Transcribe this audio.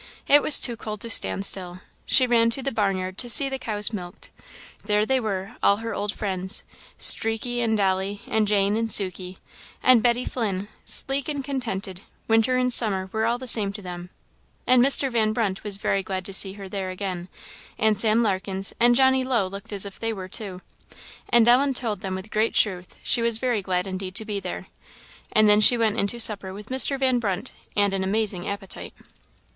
It was too cold to stand still; she ran to the barnyard to see the cows milked. There they were all her old friends Streaky and Dolly, and Jane and Sukey, and Betty Flynn sleek and contented; winter and summer were all the same to them. And Mr. Van Brunt was very glad to see her there again, and Sam Larkens and Johnny Low looked as if they were too, and Ellen told them with great truth she was very glad indeed to be there; and then she went in to supper with Mr. Van Brunt and an amazing appetite.